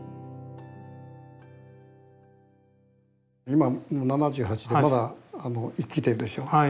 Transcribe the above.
今７８でまだ生きてるでしょ。